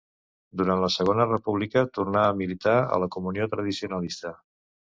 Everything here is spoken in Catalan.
Durant la Segona República tornà a militar a la Comunió Tradicionalista.